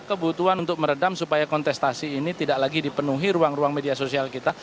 kebutuhan untuk meredam supaya kontestasi ini tidak lagi dipenuhi ruang ruang media sosial kita